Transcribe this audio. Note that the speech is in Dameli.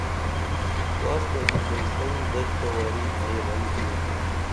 کاس نگی پرئسن دش تہ واری ائی رَل کُنُم